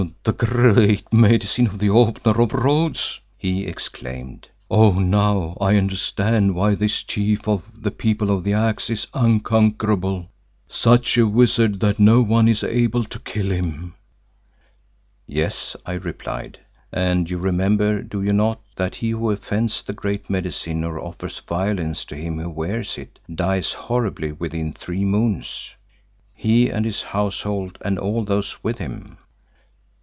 "The Great Medicine of the Opener of Roads!" he exclaimed. "Oh, now I understand why this Chief of the People of the Axe is unconquerable—such a wizard that no one is able to kill him." "Yes," I replied, "and you remember, do you not, that he who offends the Great Medicine, or offers violence to him who wears it, dies horribly within three moons, he and his household and all those with him?"